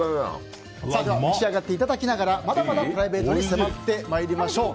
召し上がっていただきながらまだまだプライベートに迫っていきましょう。